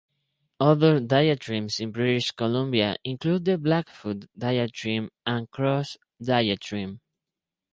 Other diatremes in British Columbia include the Blackfoot diatreme and Cross diatreme.